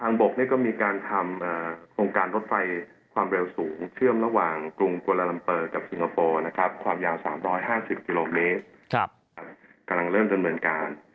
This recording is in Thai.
บกก็มีการทำโครงการรถไฟความเร็วสูงเชื่อมระหว่างกรุงโกลาลัมเปอร์กับสิงคโปร์นะครับความยาว๓๕๐กิโลเมตรกำลังเริ่มดำเนินการ